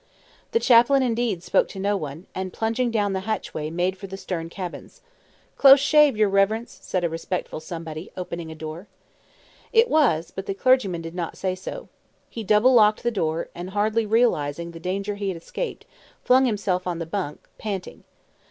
The chaplain indeed spoke to no one, and plunging down the hatchway, made for the stern cabins. "Close shave, your reverence!" said a respectful somebody, opening a door. It was; but the clergyman did not say so. He double locked the door, and hardly realizing the danger he had escaped, flung himself on the bunk, panting.